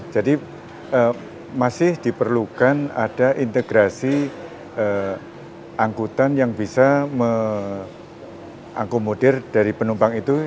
jadi masih diperlukan ada integrasi angkutan yang bisa mengakomodir dari penumpang itu